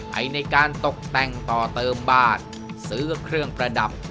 ในการตกแต่งต่อเติมบ้านซื้อเครื่องประดับ